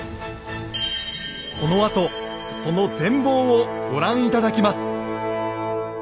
このあとその全貌をご覧頂きます。